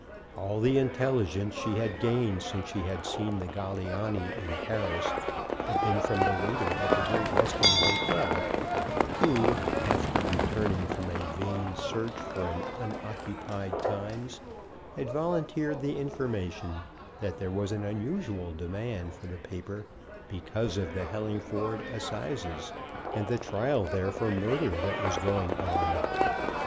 All the intelligence she had gained since she had seen the Galignani in Paris, had been from the waiter at the Great Western Hotel, who, after returning from a vain search for an unoccupied Times, had volunteered the information that there was an unusual demand for the paper because of Hellingford Assizes, and the trial there for murder that was going on.